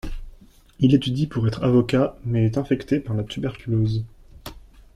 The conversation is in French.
Il étudie pour être avocat, mais est infecté par la tuberculose.